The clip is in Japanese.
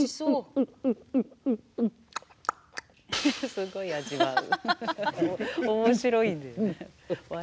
すごい味わう。